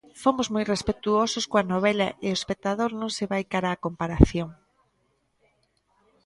Fomos moi respectuosos coa novela e o espectador non se vai cara á comparación.